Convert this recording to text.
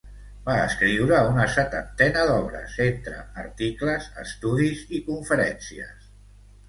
Va escriure una setantena d'obres, entre articles, estudis i conferències.